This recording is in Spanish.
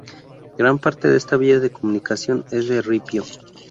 Gran parte de esta vía de comunicación es de ripio.